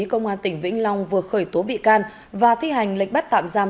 công an tỉnh vĩnh long vừa khởi tố bị can và thi hành lệnh bắt tạm giam